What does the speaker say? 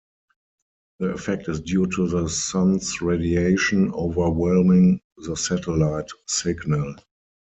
The effect is due to the Sun's radiation overwhelming the satellite signal.